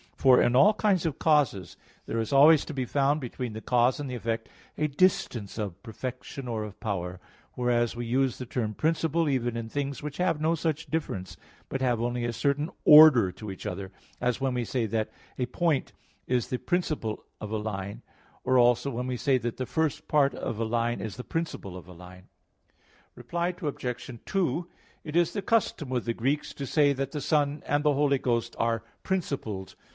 For in all kinds of causes there is always to be found between the cause and the effect a distance of perfection or of power: whereas we use the term "principle" even in things which have no such difference, but have only a certain order to each other; as when we say that a point is the principle of a line; or also when we say that the first part of a line is the principle of a line. Reply Obj. 2: It is the custom with the Greeks to say that the Son and the Holy Ghost are principled.